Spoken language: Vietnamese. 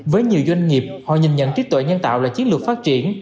với nhiều doanh nghiệp họ nhìn nhận trí tuệ nhân tạo là chiến lược phát triển